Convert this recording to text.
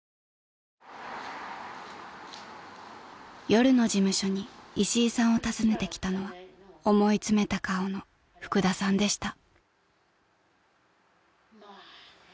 ［夜の事務所に石井さんを訪ねてきたのは思い詰めた顔の福田さんでした］